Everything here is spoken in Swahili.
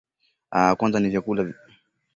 vyakula ubora wa misitu na bayoanuai kwa ujumla